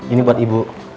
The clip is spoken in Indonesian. ini buat ibu